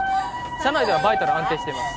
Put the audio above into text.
車内ではバイタル安定してます